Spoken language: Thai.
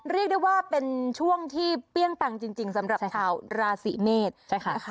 เรียกได้ว่าเป็นช่วงที่เปรี้ยงปังจริงสำหรับชาวราศีเมษ